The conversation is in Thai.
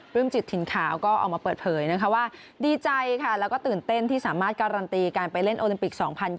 ืมจิตถิ่นขาวก็ออกมาเปิดเผยนะคะว่าดีใจค่ะแล้วก็ตื่นเต้นที่สามารถการันตีการไปเล่นโอลิมปิก๒๐๒๐